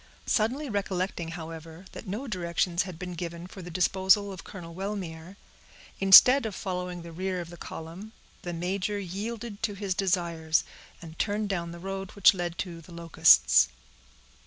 Suddenly recollecting, however, that no directions had been given for the disposal of Colonel Wellmere, instead of following the rear of the column, the major yielded to his desires, and turned down the road which led to the Locusts.